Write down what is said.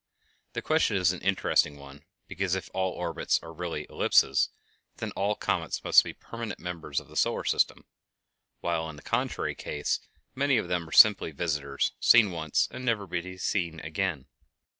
The question is an interesting one, because if all orbits are really ellipses, then all comets must be permanent members of the solar system, while in the contrary case many of them are simply visitors, seen once and never to be seen again.